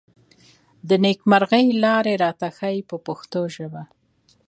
د نېکمرغۍ لارې راته ښيي په پښتو ژبه.